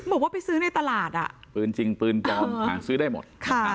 บอกว่าไปซื้อในตลาดอ่ะปืนจริงปืนปลอมหาซื้อได้หมด